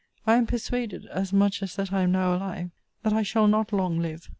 I am persuaded, as much as that I am now alive, that I shall not long live.